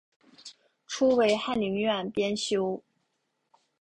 初为翰林院编修。